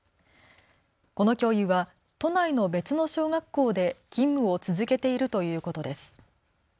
この教諭は都内の別の小学校で勤務を続けているということです。